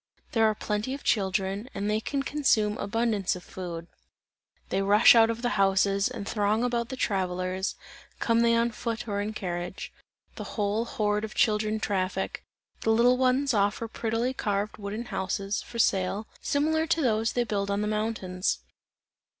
There are plenty of children, and they can consume abundance of food; they rush out of the houses, and throng about the travellers, come they on foot or in carriage. The whole horde of children traffic; the little ones offer prettily carved wooden houses, for sale, similar to those they build on the mountains.